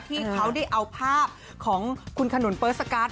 ที่เขาได้เอาภาพของคุณขนุนเปิร์สการ์ด